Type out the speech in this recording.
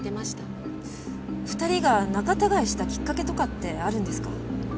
２人が仲たがいしたきっかけとかってあるんですか？